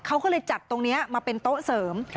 เขาก็เลยจัดตรงนี้มาเป็นโต๊ะเสริม